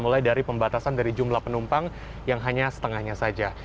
mulai dari pembatasan dari jumlah penumpang yang hanya setengahnya saja